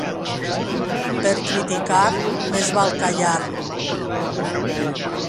Per criticar més val callar